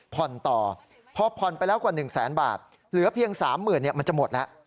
ผ่อนต่อเพราะผ่อนไปแล้วกว่าหนึ่งแสนบาทเหลือเพียงสามหมื่นเนี่ยมันจะหมดแล้ว